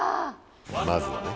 まずはね。